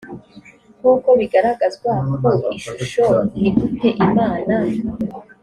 nk uko bigaragazwa ku ishusho ni gute imana